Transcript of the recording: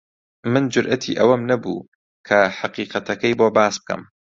من جورئەتی ئەوەم نەبوو کە حەقیقەتەکەی بۆ باس بکەم.